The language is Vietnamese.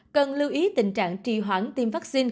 cần lưu ý tình trạng trì hoãn tim vaccine